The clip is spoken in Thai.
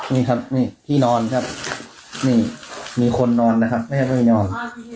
นี่ครับนี่ที่นอนครับนี่มีคนนอนนะครับไม่ให้เข้าไปนอน